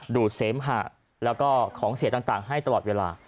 ดูดเสมหะแล้วก็ของเสียต่างให้ตลอดเวลา